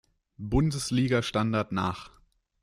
Bundesliga Standard nach.